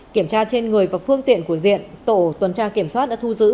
kiểm tra trên người và phương tiện của diện tổ tuần tra kiểm soát đã thu giữ